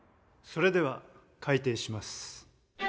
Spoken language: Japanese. それでは開廷します。